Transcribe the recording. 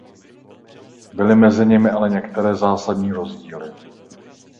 Byly mezi nimi ale některé zásadní rozdíly.